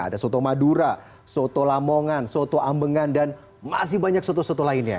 ada soto madura soto lamongan soto ambengan dan masih banyak soto soto lainnya